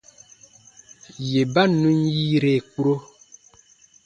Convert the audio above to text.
Yè ba nùn yiire kpuro.